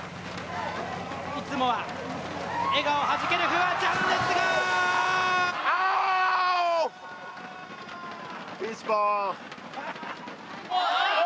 いつもは笑顔はじけるフワちゃんですがアーオ！